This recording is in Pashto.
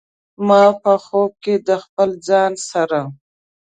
ما په خوب کې د خپل ځان سره